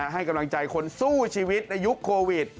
ให้กำลังใจคนสู้ชีวิตในยุคโควิด